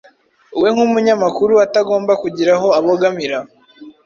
we nk’umunyamakuru atagomba kugira aho abogamira